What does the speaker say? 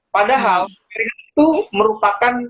padahal keringetan itu merupakan